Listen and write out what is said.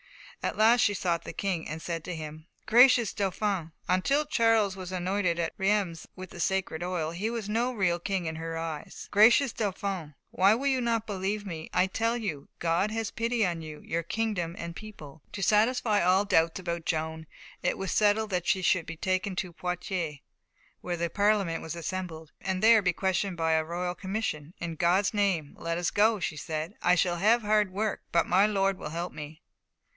At last she sought the King, and said to him: "Gracious Dauphin" until Charles was anointed at Reims with the sacred oil, he was no real king in her eyes "Gracious Dauphin, why will you not believe me? I tell you, God has pity on you, your kingdom and people." To satisfy all doubts about Joan, it was settled that she should be taken to Poitiers, where the Parliament was assembled, and be there questioned by a royal commission. "In God's name, let us go," she said; "I shall have hard work, but my Lord will help me."